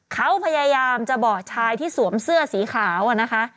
เขาพยายามจะบอกชายที่สวมเสื้อสีขาวนะคะ